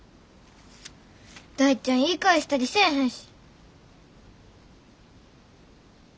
大ちゃん言い返したりせえへんし。